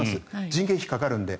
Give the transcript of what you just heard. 人件費がかかるので。